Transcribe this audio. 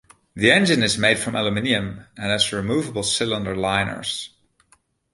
The engine is made from aluminium and has removable cylinder liners.